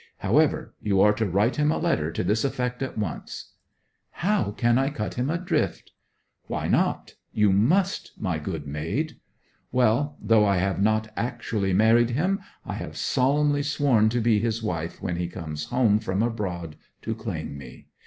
However, you are to write him a letter to this effect at once.' 'How can I cut him adrift?' 'Why not? You must, my good maid!' 'Well, though I have not actually married him, I have solemnly sworn to be his wife when he comes home from abroad to claim me.